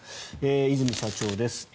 和泉社長です。